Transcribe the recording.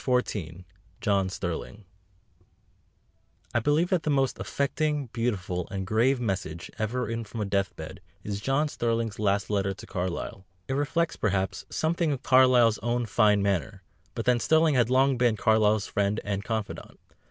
XIV JOHN STERLING I believe that the most affecting, beautiful, and grave message ever written from a death bed is John Sterling's last letter to Carlyle. It reflects, perhaps, something of Carlyle's own fine manner, but then Sterling had long been Carlyle's friend and confidant.